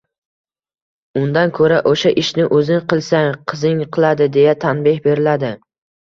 undan ko‘ra, o‘sha ishni o‘zing qilsang, qizing qiladi”, deya tanbeh beriladi.